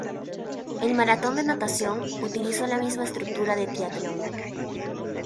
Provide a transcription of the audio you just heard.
El maratón de natación utilizó la misma estructura de triatlón.